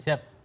ya ya siap